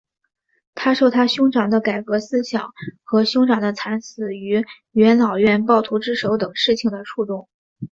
他受他兄长的改革思想和兄长的惨死于元老院暴徒之手等事情的触动。